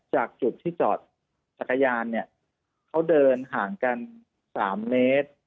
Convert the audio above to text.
จากจุดที่จอดจักรยานเนี่ยเขาเดินห่างกัน๓เมตร